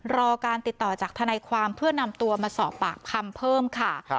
รอการติดต่อจากทนายความเพื่อนำตัวมาสอบปากคำเพิ่มค่ะ